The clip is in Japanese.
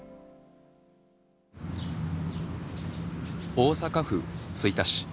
大阪府吹田市。